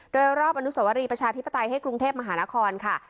ด้วยรอบอังกฤษวรีประชาธิบตร์ไต้ให้กรุงเทพมหานครค่ะ